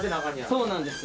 そうなんです。